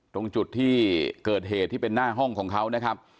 ตรงจุดที่เกิดเหตุที่เป็นหน้าห้องของเขานะครับ